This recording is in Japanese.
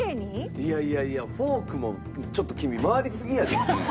いやいやいやフォークもちょっと君回りすぎやで。